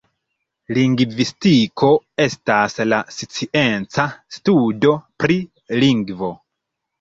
Lingvistiko estas la scienca studo pri lingvo.